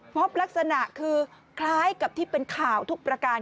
พบลักษณะคือคล้ายกับที่เป็นข่าวทุกประการ